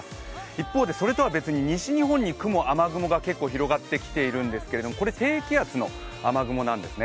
一方でそれとは別に西日本に雨雲が結構広がってきているんですけれども、これ、低気圧の雨雲なんですね。